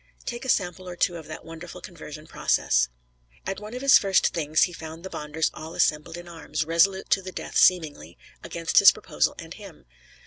Take a sample or two of that wonderful conversion process: At one of his first Things he found the Bonders all assembled in arms; resolute to the death seemingly, against his proposal and him.